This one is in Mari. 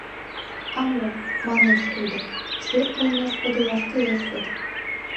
— А мо, — манеш тудо, — шӱр олмеш подылаш кӱлеш вет.